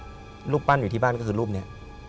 รูปปั้นอยู่ที่บ้านก็คือรูปนี้